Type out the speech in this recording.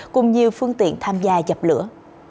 cùng nhiều phương tiện tham gia dập lửa